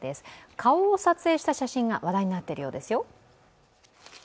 顔を撮影した写真が話題になってるようですよ。